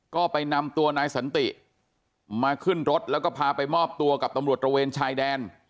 ก็ไปนำตัวนายสันติมาขึ้นรถแล้วก็พาไปมอบตัวกับตำรวจตระเวนชายแดน